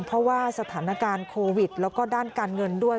เพราะว่าสถานการณ์โควิดแล้วก็ด้านการเงินด้วย